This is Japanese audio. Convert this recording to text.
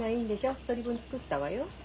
１人分作ったわよ。